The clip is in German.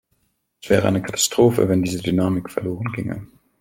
Es wäre eine Katastrophe, wenn diese Dynamik verloren ginge.